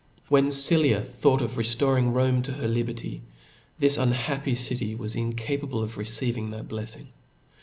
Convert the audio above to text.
When Sylla thought of reftoring Rome to her liberty, this unhappy city was incapable of that blcffing.